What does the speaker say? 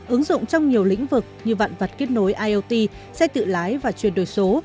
ứng dụng trong nhiều lĩnh vực như vạn vật kết nối iot xe tự lái và chuyển đổi số